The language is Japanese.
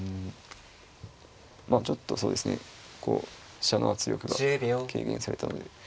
まあちょっとそうですねこう飛車の圧力が軽減されたので。